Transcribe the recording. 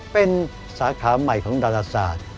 เป็นสาขาใหม่ของดาราศาสตร์